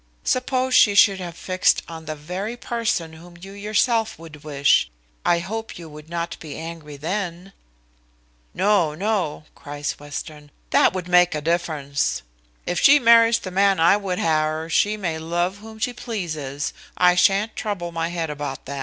Suppose she should have fixed on the very person whom you yourself would wish, I hope you would not be angry then?" "No, no," cries Western, "that would make a difference. If she marries the man I would ha' her, she may love whom she pleases, I shan't trouble my head about that."